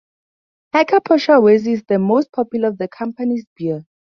Hacker-Pschorr Weisse is the most popular of the company's beers.